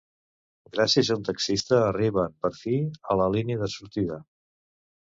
Gràcies a un taxista arriben, per fi, a la línia de sortida.